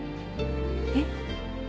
えっ？